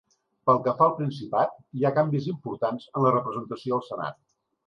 Pel què fa al Principat, hi ha canvis importants en la representació al senat.